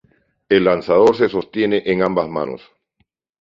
El lanzador se sostiene en ambas manos.